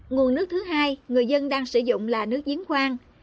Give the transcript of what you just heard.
nguồn nước thứ hai người dân đang sử dụng là nước giếng khoang